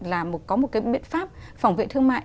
là có một cái biện pháp phòng vệ thương mại